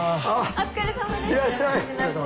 お疲れさまです。